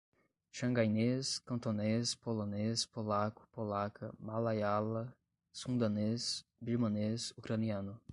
Xangainês, cantonês, polonês, polaco, polaca, malaiala, sundanês, birmanês, ucraniano